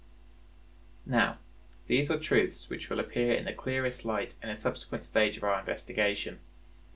Now, these are truths which will appear in the clearest light in a subsequent stage of our investigation.